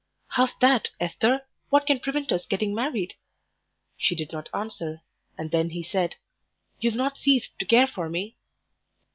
"How's that, Esther? What can prevent us getting married?" She did not answer, and then he said, "You've not ceased to care for me?"